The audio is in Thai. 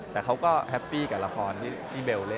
แต่เขาก็แฮปปี้กับละครที่เบลเล่น